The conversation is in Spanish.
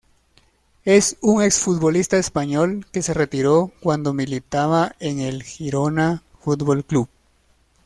Es un ex-futbolista español que se retiró cuando militaba en el Girona Futbol Club.